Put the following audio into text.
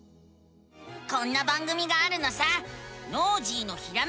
こんな番組があるのさ！